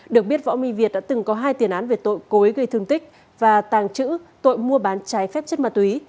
được biết võ minh việt đã từng có hai tiền án về tội cối gây thương tích và tàng trữ tội mua bán trái phép chất ma túy